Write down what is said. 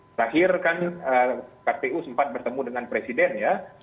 terakhir kan kpu sempat bertemu dengan presiden ya